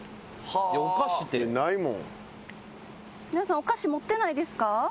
皆さんお菓子持ってないですか？